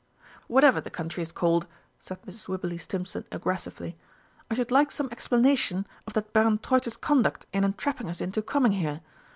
"Whatever the country is called," said Mrs. Wibberley Stimpson aggressively, "I should like some explanation of that Baron Troitz's conduct in entrapping us into coming here.